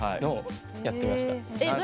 やってみました。